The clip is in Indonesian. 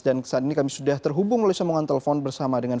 dan saat ini kami sudah terhubung oleh semuanya telpon bersama dengan